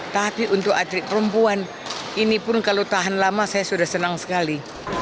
tapi untuk atlet perempuan ini pun kalau tahan lama saya sudah senang sekali